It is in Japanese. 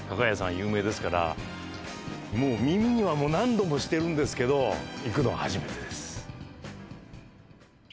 有名ですから耳には何度もしてるんですけど行くの初めてです。